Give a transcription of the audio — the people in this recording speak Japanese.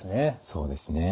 そうですね。